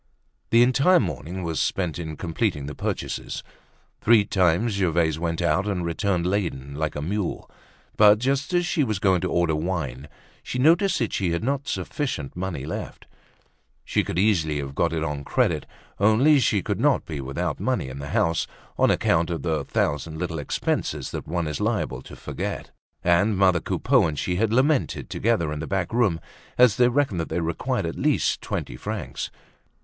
The entire morning was spent in completing the purchases. Three times Gervaise went out and returned laden like a mule. But just as she was going to order wine she noticed that she had not sufficient money left. She could easily have got it on credit; only she could not be without money in the house, on account of the thousand little expenses that one is liable to forget. And mother Coupeau and she had lamented together in the back room as they reckoned that they required at least twenty francs.